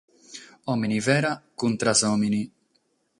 Òmine fera contra a s’òmine.